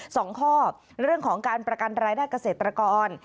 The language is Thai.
สองข้อเรื่องของการประกันรายได้เกษตรกร